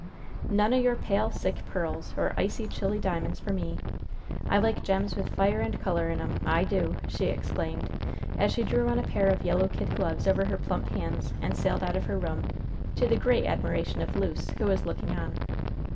"None o' your pale, sick pearls, or icy, chilly diamonds for me! I like gems with fire and color in 'em. I do!" she exclaimed, as she drew on a pair of yellow kid gloves over her plump hands, and sailed out of her room, to the great admiration of Luce, who was looking on.